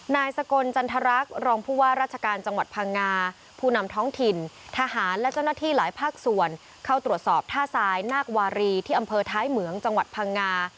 นายสกลจันทรรักษ์รองผู้ว่าราชการจังหวัดพังงาผู้นำท้องถิ่นทหารและเจ้าหน้าที่หลายภาคส่วนเข้าตรวจสอบท่าทรายนาควารีที่อำเภอท้ายเหมืองจังหวัดพังงา